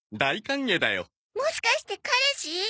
もしかして彼氏？